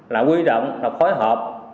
là quy động là khói hợp